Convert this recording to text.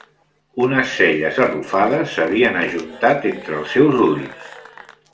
Unes celles arrufades s'havien ajuntat entre els seus ulls.